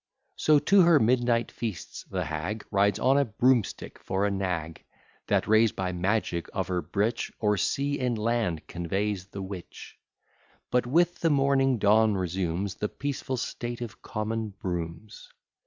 So, to her midnight feasts, the hag Rides on a broomstick for a nag, That, rais'd by magic of her breech, O'er sea and land conveys the witch; But with the morning dawn resumes The peaceful state of common brooms.